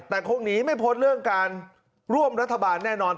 แต่คงหนีไม่พ้นเรื่องการร่วมรัฐบาลแน่นอน